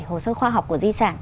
hồ sơ khoa học của di sản